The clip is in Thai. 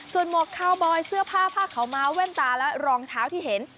ส่วนหมวกคาวบอยเสื้อผ้าผ้าขาวม้าแว่นตาและรองเท้าที่เห็น